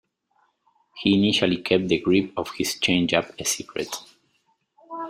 He initially kept the grip of his changeup a secret.